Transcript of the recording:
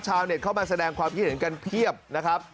เข้ามาแสดงความคิดเห็นกันเพียบนะครับ